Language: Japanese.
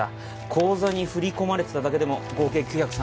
口座に振り込まれてただけでも合計９３０万。